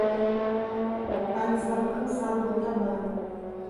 O pai estava cansado do trabalho.